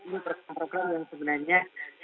ini program program yang sebenarnya